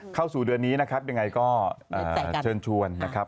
เข้าสู่เดือนนี้นะครับยังไงก็เชิญชวนนะครับ